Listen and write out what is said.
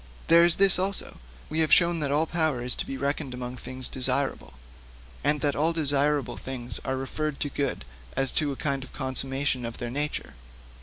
There is this also: we have shown that all power is to be reckoned among things desirable, and that all desirable things are referred to good as to a kind of consummation of their nature.